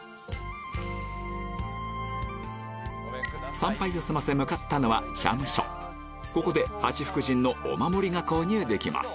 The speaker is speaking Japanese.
参拝を済ませ向かったのはここで八福神のお守りが購入できます